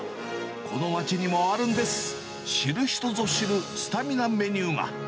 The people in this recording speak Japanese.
この町にもあるんです、知る人ぞ知るスタミナメニューが。